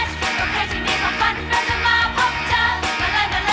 จะมาพบเจ้ามาไลน์มาไลน์อย่าช้า